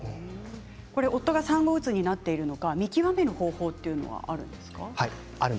夫が産後うつになっているのか見極める方法があるんですか。